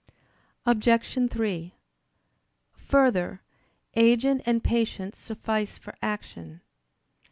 Obj. 3: Further, agent and patient suffice for action.